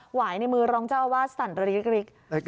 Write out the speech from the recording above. วายในมือรองเจ้าอาวาสสั่นระริก